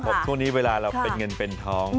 ครับผมทุกนี้เวลาเราเป็นเงินเป็นทอง